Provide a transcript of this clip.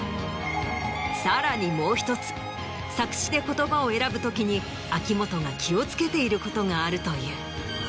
さらにもう１つ作詞で言葉を選ぶときに秋元が気を付けていることがあるという。